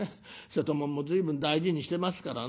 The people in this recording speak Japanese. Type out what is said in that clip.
瀬戸物も随分大事にしてますからね